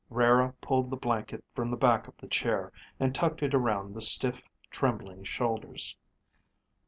Rara pulled the blanket from the back of the chair and tucked it around the stiff, trembling shoulders.